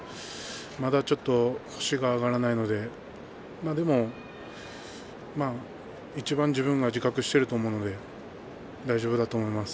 まだちょっと星が挙がらないのでしかし自分がいちばん自覚していると思うので大丈夫だと思います。